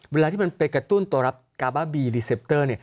เวลาที่มันไปกระตุ้นตัวรับกาบ้าบีรีเซปเตอร์